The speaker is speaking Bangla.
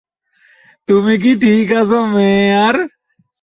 তুমি কি ঠিক আছো মেয়ার?